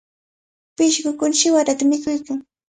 Pishqukuna siwarata mikuykan.